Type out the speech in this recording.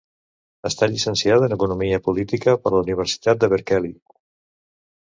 Està llicenciada en economia política per la Universitat de Berkeley.